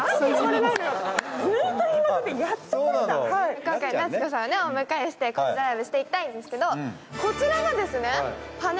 今回夏子さんをお迎えしてコジドライブしていきたいんですけど。